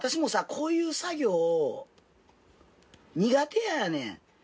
こういう作業苦手やねん。